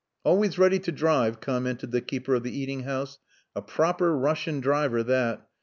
"Always ready to drive," commented the keeper of the eating house. "A proper Russian driver that.